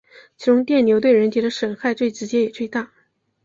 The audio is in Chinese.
其中电流对人体的损害最直接也最大。